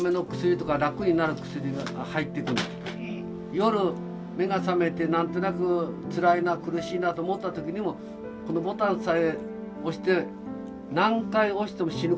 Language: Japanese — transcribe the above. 夜目が覚めてなんとなく「つらいな苦しいな」と思った時にもこのボタンさえ押して何回押しても死ぬことはないからね。